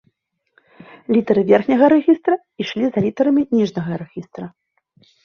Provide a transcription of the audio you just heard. Літары верхняга рэгістра ішлі за літарамі ніжняга рэгістра.